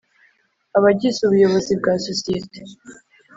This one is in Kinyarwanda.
Abagize Ubuyobozi bwa sosiyete